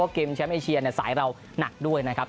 เพราะว่าเกมแชมป์เอเชียสายเรานักด้วยนะครับ